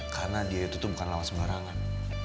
karena dia itu tuh bukan lawan sembarangan